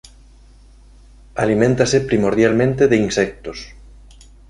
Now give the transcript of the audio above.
Aliméntase primordialmente de insectos.